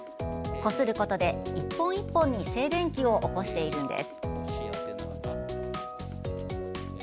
こすることで一本一本に静電気を起こしているのです。